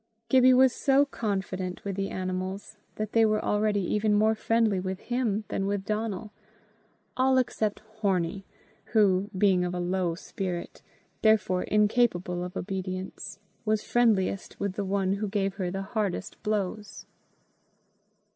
Gibbie was so confident with the animals, that they were already even more friendly with him than with Donal all except Hornie, who, being of a low spirit, therefore incapable of obedience, was friendliest with the one who gave her the hardest blows.